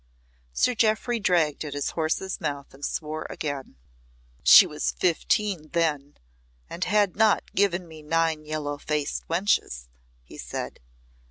Sir Jeoffry dragged at his horse's mouth and swore again. "She was fifteen then, and had not given me nine yellow faced wenches," he said.